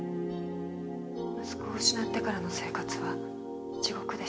息子を失ってからの生活は地獄でした。